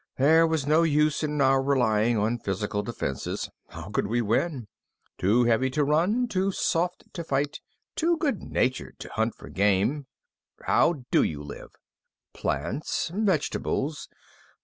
There was no use in our relying on physical defenses. How could we win? Too heavy to run, too soft to fight, too good natured to hunt for game " "How do you live?" "Plants. Vegetables.